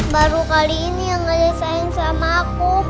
baru kali ini yang gak ada sayang sama aku